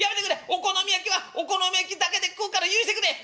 お好み焼きはお好み焼きだけで食うから許してくれ！」。